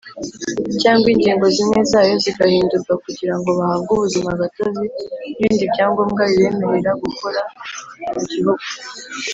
cyangwa ingingo zimwe zayo, zigahindurwa kugira ngo bahabwe ubuzima gatozi n’ibindi byangombwa bibemerera gukorera mugihugu.